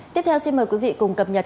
tiếp theo xin mời quý vị cùng cập nhật